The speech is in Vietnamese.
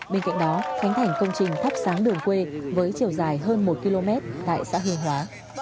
bên cạnh đó khánh thành công trình thắp sáng đường quê với chiều dài hơn một km tại xã hương hóa